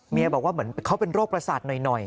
บอกว่าเหมือนเขาเป็นโรคประสาทหน่อย